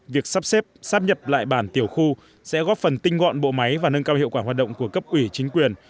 việc sắp xếp sắp nhập lại bản tiểu khu sẽ góp phần tinh gọn bộ máy và nâng cao hiệu quả hoạt động của cấp ủy chính quyền